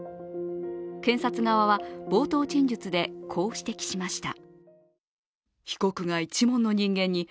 検察側は冒頭陳述でこう指摘しました。